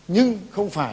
nhưng không phải